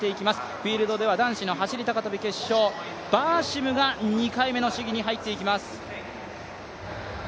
フィールドでは男子走高跳の決勝、バーシムが２回目の試技に入っていきます。